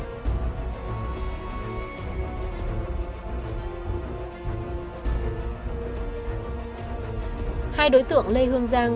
hai đối tượng lê hương giang